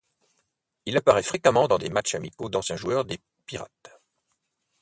Il apparaît fréquemment dans des matchs amicaux d'anciens joueurs des Pirates.